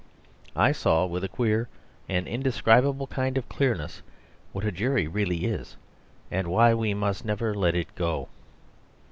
I saw with a queer and indescribable kind of clearness what a jury really is, and why we must never let it go.